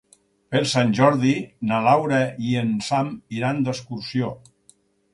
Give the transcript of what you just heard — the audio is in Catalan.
Per Sant Jordi na Laura i en Sam iran d'excursió.